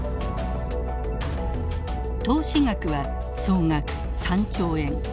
投資額は総額３兆円。